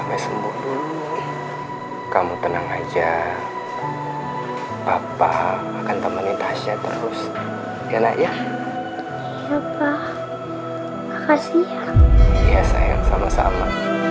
ya semua kamu tenang aja apa akan temanin tasya terus ya nak ya ya pak makasih ya sayang sama sama